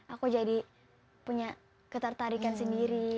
aku jadi punya ketertarikan sendiri